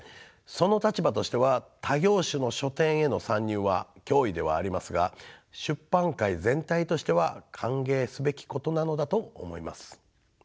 その立場としては他業種の書店への参入は脅威ではありますが出版界全体としては歓迎すべきことなのだと思います。